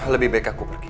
lebih baik aku pergi